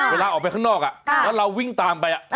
เวลาออกไปข้างนอกแล้วเราวิ่งตามไป